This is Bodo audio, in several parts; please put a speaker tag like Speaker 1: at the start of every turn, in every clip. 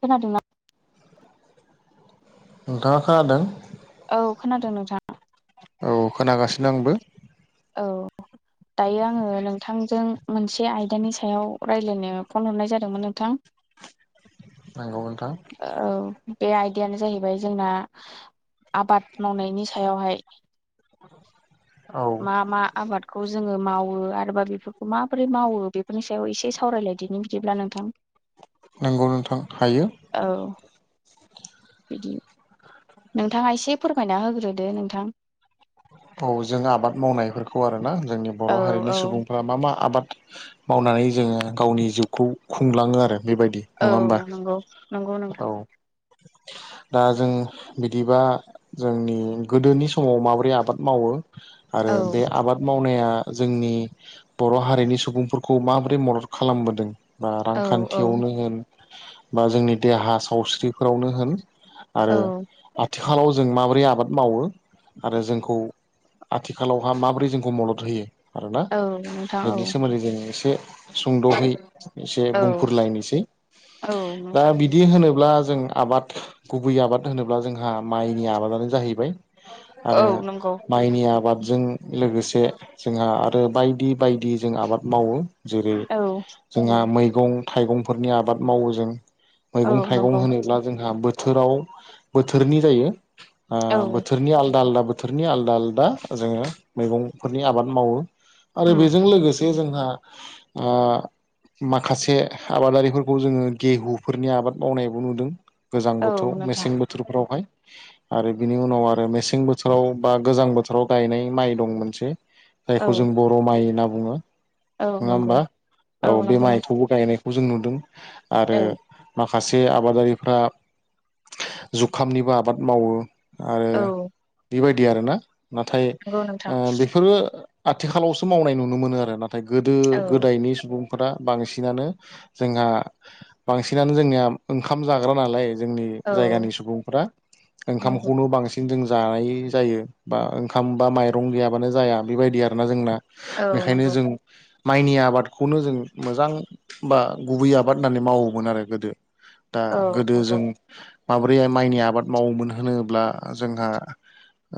Speaker 1: खोनादों ना?
Speaker 2: नोंथाङा खोनादों?
Speaker 1: औ खोनादों नोंथां।
Speaker 2: औ खोनागासिनो आंबो।
Speaker 1: औ। दायो आङो नोंथांजों मोनसे आयदानि सायाव रायज्लायनो फन हरनाय जादोंमोन नोंथां। [inaudible]
Speaker 2: नंगौ नोंथां।
Speaker 1: औ बे आय दायानो जाहैबाय जोंना आबाद मावनायनि सायावहाय।
Speaker 2: औ
Speaker 1: मा मा आबादखौ जोङो मावो आरोबा बेफोरखौ माबोरै मावो बेफोरनि सायाव एसे सावरायलायदिनो बिदिब्ला नोंथां।
Speaker 2: नंगौ नोंथां हायो।
Speaker 1: औ बिदि नोंथाङा एसे फोरमायना होग्रोदो नोंथां।
Speaker 2: औ जों आबाद मावनायफोरखौ आरोना जोंनि बर'
Speaker 1: औ
Speaker 2: हारिनि
Speaker 1: औ
Speaker 2: सुबुंफ्रा मा मा आबाद मावनानै जोङो गावनि जिउखौ खुंलाङो आरो बेबायदि
Speaker 1: औ
Speaker 2: नङा होमबा
Speaker 1: नंगौ नंगौ नोंथां
Speaker 2: औ। दा जों बिदिबा जोंनि गोदोनि समाव माबोरै आबाद मावो आरो
Speaker 1: औ
Speaker 2: बे आबाद मावनाया जोंनि बर' हारिनि सुबुंफोरखौ माबोरै मदद खालामबोदों बा
Speaker 1: औ औ
Speaker 2: रांखान्थियावनो होन बा जोंनि देहा सावस्रि फोरावनो होन
Speaker 1: औ
Speaker 2: आरो आथिखालाव जों माबोरै आबाद मावो आरो जोंखौ आथिखालावहा माबोरै जोंखौ मदद होयो आरोना
Speaker 1: औ नोंथां औ
Speaker 2: बेनि सोमोन्दै जों एसे सुंद'है एसे
Speaker 1: औ
Speaker 2: बुंफोरलायनोसै
Speaker 1: औ
Speaker 2: दा
Speaker 1: नोंथां
Speaker 2: बिदि होनो ब्ला जों आबाद गुबै आबाद होनोब्ला जोंहा माइनि आबादानो जाहैबाय आरो
Speaker 1: औ नंगौ
Speaker 2: माइनि आबादजों लोगोसे जोंहा आरो बायदि बायदि जों आबाद मावो जेरै
Speaker 1: औ
Speaker 2: जोंहा मैगं थाइगंफोरनि आबाद मावो जों
Speaker 1: औ
Speaker 2: मैगं
Speaker 1: नंगौ
Speaker 2: थाइगं होनोब्ला जोंहा बोथोराव बोथोरनि जायो ओ
Speaker 1: औ
Speaker 2: बोथोरनि आलदा आलदा बो नि आलदा आलदा जोङो मैगं फोरनि आबाद मावो आरो
Speaker 1: उम
Speaker 2: बेजों लोगोसे जे जोंहा माखासे आबादारिफोरखौ जोङो गेहुफोरनि आबाद मावनायबो नुदों गोजां
Speaker 1: औ
Speaker 2: बोथोराव
Speaker 1: नोंथां
Speaker 2: मेसें बोथोरफोरावहाय आरो बिनि उनाव आरो मेसें बोथोराव बा गोजां बोथोराव गायनाय माइ दं मोनसे
Speaker 1: औ
Speaker 2: जायखौ जों बर' माइ होनना बुङो
Speaker 1: औ
Speaker 2: नङा
Speaker 1: नंगौ
Speaker 2: होमबा औ बे
Speaker 1: नंगौ नोंथां
Speaker 2: माइखौबो गायनायखौ जों नुदों आरो
Speaker 1: औ
Speaker 2: मा माखासे आबादारिफ्रा जुखामनिबो आबाद मावो आरो
Speaker 1: औ
Speaker 2: बेबायदि आरोना नाथाय
Speaker 1: नंगौ नोंथां
Speaker 2: ओ बेफोरो आथिखालावसो मावनाय नुनो मोनो आरो नाथाय गोदो
Speaker 1: औ
Speaker 2: गोदायनि सुबुं फोरा बांसिनानो जोंहा बांसिनानो जोंनिया ओंखाम जाग्रा नालाय जोंनि
Speaker 1: औ
Speaker 2: जायगानि सुबुंफ्रा
Speaker 1: नंगौ
Speaker 2: ओंखामखौनो बांसिन जों जायो जायो बा ओंखाम बा माइरं गैयाबानो जाया बेबायदि आरो ना जोंना
Speaker 1: औ
Speaker 2: बेखायनो
Speaker 1: नंगौ
Speaker 2: जों माइनि आबादखौनो जों मोजां बा गुबै आबाद होननानै मावोमोन आरो गोदो दा
Speaker 1: औ
Speaker 2: गोदो जों
Speaker 1: नंगौ
Speaker 2: माब्रै माइनि आबाद मावोमोन होनोब्ला जोंहा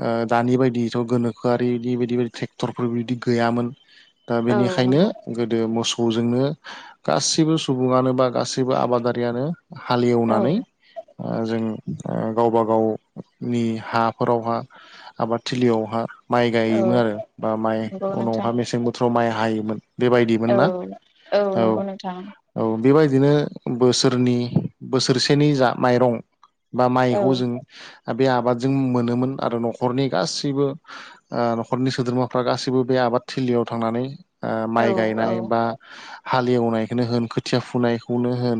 Speaker 2: ओ दानि बायदिथ' गोनोखोआरि बिदि बायदि बायदि ट्रेक्टरफोर बिदि गैयामोन दा
Speaker 1: औ
Speaker 2: बेनिखायनो
Speaker 1: नंगौ
Speaker 2: गोदो मोसौ जोंनो गासैबो सुबुंङानो बा गासैबो आबादारियानो
Speaker 1: औ
Speaker 2: हालेवनानै ओ जों गावबा गावनि हाफोरावहा आबाद थिलियावहा माइ गायोमोन
Speaker 1: औ
Speaker 2: आरो बा माइ
Speaker 1: नंगौ नोंथां
Speaker 2: उनावहा मेसें बोथो राव माय हायोमोन बेबायदिमोन
Speaker 1: औ
Speaker 2: ना औ
Speaker 1: नंगौ नोंथां
Speaker 2: औ बेबायदिनो बोसोरनि बोसोरसेनि जा माइरं बा
Speaker 1: औ
Speaker 2: माइखौ जों बे आबादजों मोनोमोन आरो न'खरनि गासैबो ओ न'खरनि सोद्रोमाफ्रा गाैबो बे आबाद थिलियाव थांनानै ओ
Speaker 1: औ
Speaker 2: माइ
Speaker 1: औ
Speaker 2: गायनाय बा हालेवनायखौनो होन खोथिया फुनायखौनो होन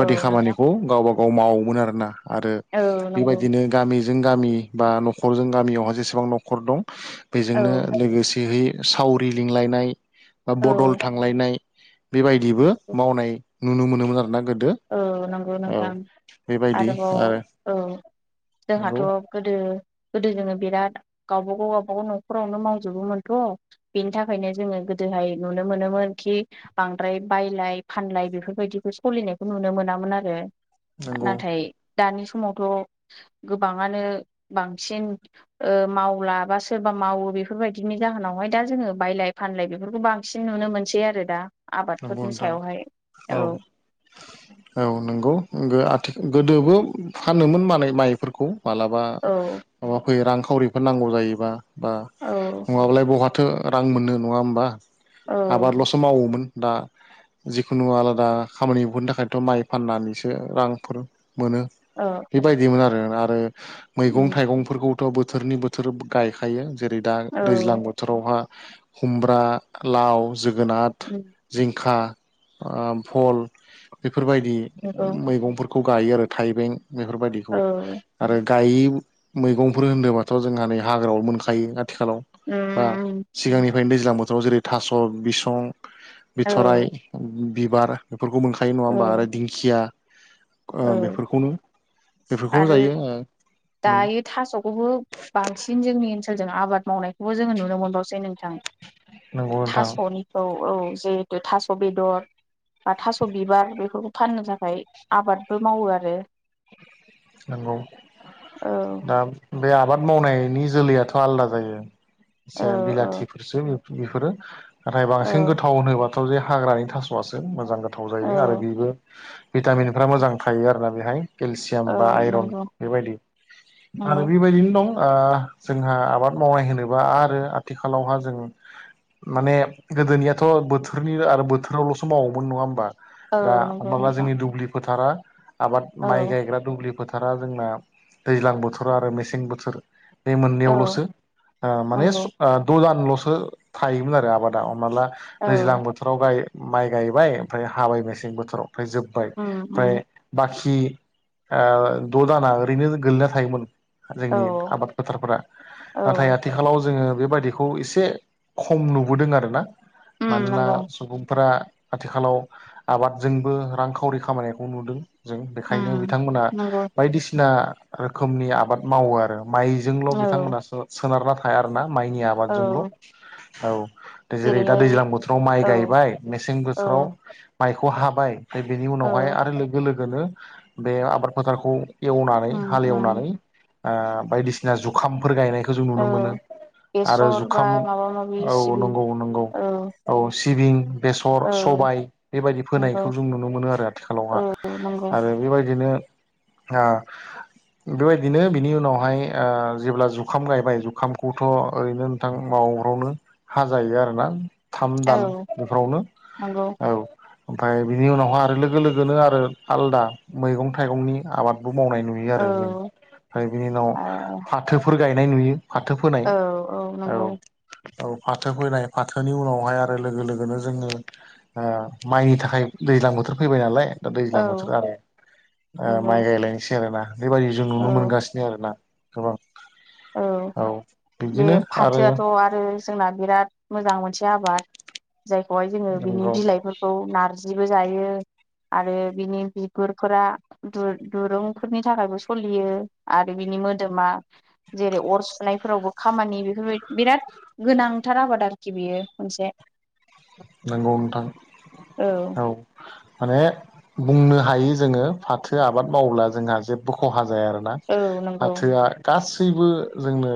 Speaker 1: औ नोंथां
Speaker 2: खामानिखौ गावबा गाव मावोमोन आरोना आरो
Speaker 1: औ नंगौ
Speaker 2: बेबायदिनो गामि जों गामि बा न'खरजों गामियावहााय जेसेबां न'खर दं
Speaker 1: औ
Speaker 2: बेजोंनो लोगोसेहै सावरि लिंलायनाय बा
Speaker 1: औ
Speaker 2: बदल थांलायनाय बेबायदिबो मावनाय नुनो मोनोमोन आरोना गो
Speaker 1: औ नंगौ नोंथां
Speaker 2: बेबायदि
Speaker 1: आरोबाव
Speaker 2: आरो
Speaker 1: औ जोंहाथ'
Speaker 2: नंगौ
Speaker 1: गोदो गोदो जोङो बिराद गावबा गाव गावबागाव न'खरावनो मावजोबोमोनथ' बेनि थाखायनो जोङो गोदो हाय नुनो मोनोमोन खि बांद्राय बायलाय-फानलाय बेफोरबायदिखौ सलिनाय नुनो मोनामोन आरो
Speaker 2: नंगौ
Speaker 1: नाथाय दानि समावथ' गोबांङानो बांसिन ओ मावलाबासो बा मावो बेफोरबायदिनि जाहोनावहाय दा जोङो बायलाय फानलाय बेफोरखौ बांसिन नुनो मोनसै आरो दा
Speaker 2: नंगौ
Speaker 1: आबादफोरनि
Speaker 2: नोंथां
Speaker 1: सायावहाय औ
Speaker 2: औ नंगौ ओ आथिखाल गोदोबो फानोमोन माल माइफोरखौ माबलाबा
Speaker 1: औ
Speaker 2: माबा फैयो रांखावरिफोर नांगौ जायोबा बा
Speaker 1: औ
Speaker 2: नङाबालाय बहा थो रां मोनो नङा होमबा
Speaker 1: औ
Speaker 2: आबादल'सो मावोमोन दा जिखुनु आलादा खामानिफोरनि थाखायथ' माइ फान्नानैसो रांफोरो मोनो
Speaker 1: औ
Speaker 2: बेबायदिमोन आरो आरो
Speaker 1: उम
Speaker 2: मैगं-थाइगंफोरखौ थ' बोथोरनि बोथोर गायखायो जेरै दा
Speaker 1: औ
Speaker 2: दैज्लां बोथोरावहा खुमब्रा, लाव, जोगोनार
Speaker 1: उम
Speaker 2: दिंखा ओ भल बेफोरबायदि
Speaker 1: नंगौ
Speaker 2: मैगंफोर खौ गायो आरो थाइबें बेफोरबायाददिखौ
Speaker 1: औ
Speaker 2: आरो गायि मैगंफोर होनोबाथ' जोंहा नै हाग्रायाव मोनखायो आथिखालाव बा
Speaker 1: उम
Speaker 2: सिगांनिफ्रायनो दैज्लां बोथोराव जेरै थास' बिसं
Speaker 1: औ
Speaker 2: बिथरराय बिबार बेफोरखौ मोनखायो नङा होमबा
Speaker 1: औ
Speaker 2: आरो दिंखिया
Speaker 1: औ
Speaker 2: बेफोरखौनो बेफोरखौनो
Speaker 1: आरो
Speaker 2: जायो मोन।
Speaker 1: दायो थास'खौबो बांसिन जोंनि ओनसोल जों आबाद मावनायखौबो जोङो नुनो मोनबावसै नोंथां
Speaker 2: नंगौ नोंथां
Speaker 1: थास'निखौ औ जिहेथु थास' बेदर बा थास' बिबार बेफोरखौ फाननो थाखाय आबादबो मावो आरो
Speaker 2: नंगौ
Speaker 1: औ
Speaker 2: दा बे आबाद मावनायनि जोलैयाथ' आलदा जायो।
Speaker 1: औ
Speaker 2: एसे बिलाथिफोरसो बेफोरो नाथाय
Speaker 1: औ
Speaker 2: बांसिन गोथाव होनोब्ला गोाथाव जे हाग्रानि थास'आसो मोजां गोथाव
Speaker 1: औ
Speaker 2: जायो आरो बेबो भिटामिनफ्रा मोजां थायो आरोना बेहाय केलसि
Speaker 1: औ
Speaker 2: बा आइरन
Speaker 1: नंगौ
Speaker 2: बेबायदि
Speaker 1: नंगौ
Speaker 2: आरो बेबायदिनो दं ओ जोंहा आबाद मावनाय होनोबा आरो आथिखालावहा जों माने गोदोनियाथ' बोथोरनि आरो बोथोरावल'सो मावोमोन नङा होमबा
Speaker 1: औ
Speaker 2: दा
Speaker 1: नंगौ
Speaker 2: हमाब्ला
Speaker 1: नोंथां
Speaker 2: जोंनि दुब्लि फोथारा आबाद
Speaker 1: औ
Speaker 2: माइ गायग्रा दुब्लि फोथारा जोंना दैज्लां बोथोर आरो मेसें बोथोर बे
Speaker 1: औ
Speaker 2: मोननैयावल'सो माने
Speaker 1: नंगौ
Speaker 2: द'जानल'सो थायोमोन आरो आबादा हमना ला
Speaker 1: औ
Speaker 2: दैज्लां बोथोराव माइ गायबाय ओमफ्राय हाबाय मेसें बोथोराव ओमफ्राय जोब्बाय
Speaker 1: उम उम
Speaker 2: ओमफ्राय बाखि ओ द' दाना ओरैनो गोगलैना थायोमोन
Speaker 1: औ
Speaker 2: जोंनि आबाद फोथारफोरा
Speaker 1: औ
Speaker 2: नाथाय आथिखालाव जोङो बेबादिखौ एसे खम नुबोदों आरोना
Speaker 1: उम
Speaker 2: मानोना
Speaker 1: नंगौ
Speaker 2: सुबुंफोरा आथिखालाव आबादजोंबो रांखावरि खामायनायखौ नुदों जों बेखायनो
Speaker 1: उम
Speaker 2: बिथांमोना
Speaker 1: नंगौ
Speaker 2: बायदिसिना रोखोमनि आबाद मावो आरो माइजोंल'
Speaker 1: औ
Speaker 2: बिथांमोना सोनारना थाया आरोना माइनि
Speaker 1: औ
Speaker 2: आबादजोंल' औ जेरै दा
Speaker 1: जेरैहाय
Speaker 2: दैज्लां बोथोराव माइ
Speaker 1: औ
Speaker 2: गायबाय मेसें
Speaker 1: औ
Speaker 2: बोथोराव माइखौ हाबाय बेनि
Speaker 1: औ
Speaker 2: उनावहाय आरो लोगो लोगोनो बे आबाद फोथारखौ एवनानै
Speaker 1: उम उम
Speaker 2: हालवनानै ओ बायदिसिना जुखामफोर गायनाय जों नुनो
Speaker 1: औ
Speaker 2: मोनो आरो
Speaker 1: बेसर बा
Speaker 2: जुखाम
Speaker 1: माबा माबि
Speaker 2: औ
Speaker 1: सिबिं
Speaker 2: नंगौ नंगौ
Speaker 1: औ
Speaker 2: औ सिबिं, बेसर,
Speaker 1: औ
Speaker 2: सबाय बेबायदि
Speaker 1: नंगौ
Speaker 2: फोनायखौ जों नुनो मोनो आरो
Speaker 1: औ
Speaker 2: आथिखालावहा
Speaker 1: नंगौ
Speaker 2: आरो बेबायदिनो ओ बेबायदिनो बिनि उनावहाय ओ जेब्ला जुखाम गायबाय जुखामखौथ' ओरैनो नोंथां माव वनो ह जायो आरोना थाम दान
Speaker 1: औ
Speaker 2: बेफोरावनो
Speaker 1: नंगौ
Speaker 2: औ ओमफ्राय बिनि उनावहाय आरो लोगो लोगोनो आरो आलदा मैगं थाइगंनि आबाद मावनाय नुयो
Speaker 1: औ
Speaker 2: आरो जों ओमफ्राय बिनि उनाव
Speaker 1: औ
Speaker 2: फाथोफोर गायनाय नुयो फाथो फोनाय
Speaker 1: औ नंगौ
Speaker 2: औ औ फाथो फैनाय फाथोनि उनावहाय आरो लोगो लोगोनो जोङो माइनि थाखाय दै दैज्लां बोथोर फैबाय नालाय दा
Speaker 1: औ
Speaker 2: दैज्लां बोथोराव आरो
Speaker 1: नंगौ
Speaker 2: माइ गायलायनोसै आरो ना बेबायाददि जों नुनो
Speaker 1: औ
Speaker 2: मोनगासिनो आरोना गोबां
Speaker 1: औ बे
Speaker 2: बिदिनो आरो
Speaker 1: फाथोआथ' आरो जोंना बिराद मोजां मोनसे आबाद जायखौहाय जोङो बिनि
Speaker 2: नंगौ
Speaker 1: बिलाइफोरखौ नारजिबो जायो आरो बिनि बिगुरफोरा दुरुंफोरनि थाखायबो सलियो आरो बिनि नि मोदोमा जेरै अर सुनायफोरावबो खामानि बेफोरबाय बिराद गोनांथार आबाद आरोखि बेयो मोनसे
Speaker 2: नंगौ नोंथां औ माने बुंनो हायो जोङो फाथो आबाद मावोब्ला जोंहा जेबो खहा ज जाया आरोना
Speaker 1: औ नंगौ
Speaker 2: फाथोआ गासैबो जोंनो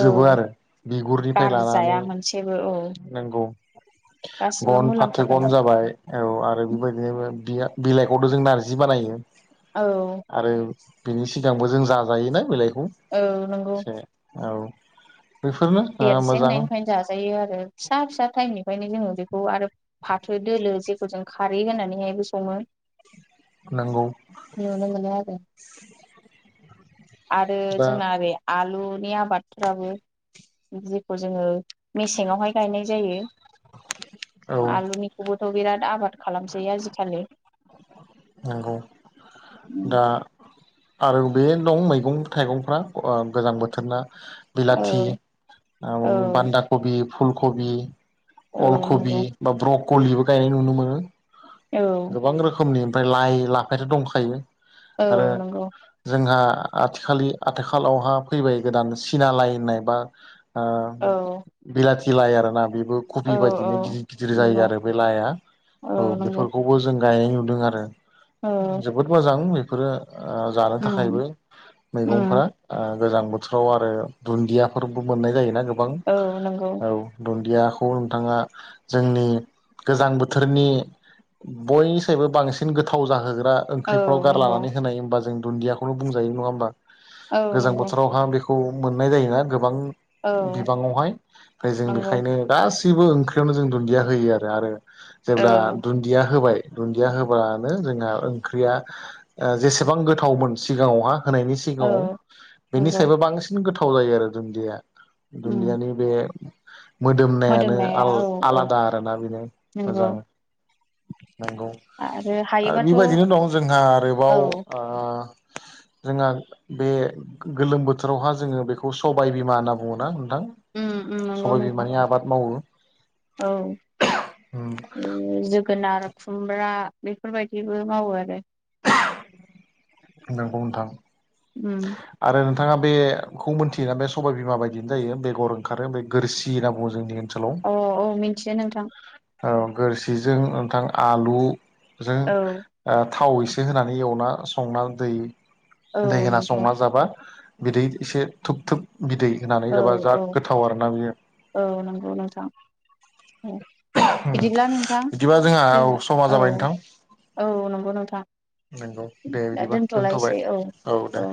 Speaker 1: औ
Speaker 2: आरो बिगुरनिफ्राय
Speaker 1: गारजाया
Speaker 2: लानानै
Speaker 1: मोनसेबो औ
Speaker 2: नंगौ
Speaker 1: गासिबो
Speaker 2: गन फाथो
Speaker 1: मुलाम्फा
Speaker 2: गन
Speaker 1: गोनां
Speaker 2: जाबाय औ आरो बेबायदिनो बि बिलाइखौथ' जों नारजि बानायो
Speaker 1: औ
Speaker 2: आरो बिनि सिगांबो जों जाजायोना बिलाइखौ
Speaker 1: औ नंगौ
Speaker 2: एसे औ बेफोरनो ओ
Speaker 1: देरसेन
Speaker 2: मोजां
Speaker 1: होननायनिफ्रायनो जाजायो आरो फिसा फिसा टाइमनिफ्रायनो जोङो बेखौ आरो फाथो दोलोे जे फोरजों खारै होनानैहायबो सङो
Speaker 2: नंगौ
Speaker 1: नुनो मोनो आरो आरो
Speaker 2: दा
Speaker 1: जोंना ओरै आलुनि आबादफ्राबो जेखौ जोङो मेसेंआवहाय गायनाय जायो
Speaker 2: औ
Speaker 1: आलुनिखौबोथ' बिराद आबाद खालामसै आजिखालि
Speaker 2: नंगौ दा आरो बे दं मैगं थाइगंफ्रा गोजां बोथोरना
Speaker 1: औ
Speaker 2: बिलाथि
Speaker 1: औ
Speaker 2: बान्दा कबि फुलकबि
Speaker 1: औ
Speaker 2: अलकबि
Speaker 1: नंगौ
Speaker 2: बा ब्रकलिबो गायनाय नुनो मोनो
Speaker 1: औ
Speaker 2: गोबां रोखोमनि ओमफ्राय लाइ लाफायथ' दंखायो
Speaker 1: औ
Speaker 2: आरो
Speaker 1: नंगौ
Speaker 2: जोंहा आथिखलि आथिखालावहा फैबाय गोदान सिना लाय होननाय बा
Speaker 1: औ
Speaker 2: उम बिलाथि लाइ आरोना बे
Speaker 1: औ
Speaker 2: कबि बायदिनो
Speaker 1: औ
Speaker 2: गिदिर गिदिर जायो
Speaker 1: नंगौ
Speaker 2: आरो बे लाय आ औ बे गायनाय नुदों आरो
Speaker 1: औ
Speaker 2: जोबोद मोजां बेफोरो आ जानो थाखायबो
Speaker 1: उम उम
Speaker 2: मैगंफ्रा ओ गोजां बोथोराव आरो दुन्दियाफोरबो मोननाय जायोना गोबां
Speaker 1: औ नंगौ
Speaker 2: औ दुन गैयाखौ नोंथाङा जोंनि गोजां बोथोरनि बयनिसायबो बांसिन गोथाव जाहोग्रा
Speaker 1: औ
Speaker 2: ओंख्रिफ्राव
Speaker 1: नंगौ
Speaker 2: गारलानानै होनाय होमबा जों दुन्दियाखौनो बुंजायो नङा होमबा
Speaker 1: औ
Speaker 2: गोजां
Speaker 1: नंगौ
Speaker 2: बोथोरावहा बेखौ मोननाय जायोना गोबां
Speaker 1: औ
Speaker 2: बिबाङावहाय ओमफ्राय जों
Speaker 1: नंगौ
Speaker 2: बेखायनो गासिबो ओंख्रियावनो जों दुन्दिया होयो आरो आरो
Speaker 1: औ
Speaker 2: जेब्ला दुन्दिया होबाय दुन्दिया होबानो जोंहा ओंख्रिया जेसेबां गोथावमोन सिगाङावहा होनायनि
Speaker 1: औ
Speaker 2: सिगाङाव बेनि
Speaker 1: नंगौ
Speaker 2: सायबो बांसिन गोथाव जायो आरो दुन्दिया
Speaker 1: उम
Speaker 2: दुदियानि बे मोदोमनायानो
Speaker 1: मोदोमनाया
Speaker 2: आ
Speaker 1: औ औ
Speaker 2: आलादा आरोना बेनो
Speaker 1: नंगौ
Speaker 2: मोजां नंगौ
Speaker 1: आरो
Speaker 2: आरो
Speaker 1: हायोबाथ' औ
Speaker 2: बेबायदिनो दं जोंहा आरोबाव ओ जोंहा बे गोलोम बोथोरावहा जोङो बेखौ सबाय बिमा होनना बुङोना थां
Speaker 1: उम उम नंगौ
Speaker 2: सबाय
Speaker 1: नोंथां
Speaker 2: बिमानि आबाद मावो
Speaker 1: औ
Speaker 2: उम
Speaker 1: जोब जोगोनार खुमब्रा बेफोरबायदिबो मावो आरो
Speaker 2: नंगौ नोंथां
Speaker 1: उम
Speaker 2: आरो नोंथां नोंथाङा बेखौ मिथियोना बे सबायबिमा बायदियानो जायो बेगर ओंखारो गोरसि होनना बुङो जोंनि ओनसोलाव
Speaker 1: औ औ मिथियो नोंथां
Speaker 2: औ गोरसिजों नोंथां आलुजों
Speaker 1: औ
Speaker 2: ओ थाव एसे होनानै एवना संना दै
Speaker 1: औ
Speaker 2: दै होना
Speaker 1: नोंगौ
Speaker 2: संना जाबा बिदै एसे थुब थुब बिदै होनानै
Speaker 1: औ
Speaker 2: जाबा जा
Speaker 1: औ
Speaker 2: गोथाव आरोना बियो।
Speaker 1: हुम बिदिब्ला नोंथां
Speaker 2: बिदिबा जोंहा
Speaker 1: जो
Speaker 2: औ समा
Speaker 1: औ
Speaker 2: जाबाय नोंथां
Speaker 1: औ नंगौ नोंथां।
Speaker 2: नंगौ दे
Speaker 1: दा
Speaker 2: बिदिबा
Speaker 1: दोनथ'लायसै
Speaker 2: दोनथ'बाय औ दे।